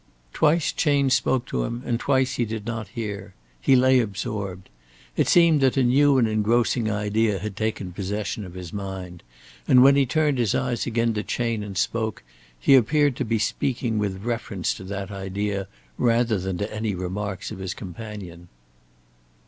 Twice Chayne spoke to him, and twice he did not hear. He lay absorbed. It seemed that a new and engrossing idea had taken possession of his mind, and when he turned his eyes again to Chayne and spoke, he appeared to be speaking with reference to that idea rather than to any remarks of his companion.